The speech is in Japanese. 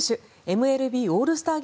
ＭＬＢオールスター